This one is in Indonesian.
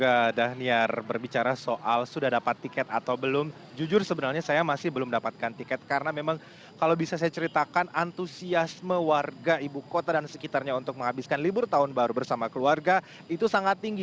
juga dhaniar berbicara soal sudah dapat tiket atau belum jujur sebenarnya saya masih belum mendapatkan tiket karena memang kalau bisa saya ceritakan antusiasme warga ibu kota dan sekitarnya untuk menghabiskan libur tahun baru bersama keluarga itu sangat tinggi